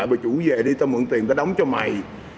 bà chủ về đi ta mượn tiền ta đóng cho mày